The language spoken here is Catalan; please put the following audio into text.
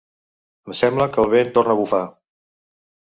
Em sembla que el vent torna a bufar.